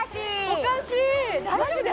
おかしいマジで！？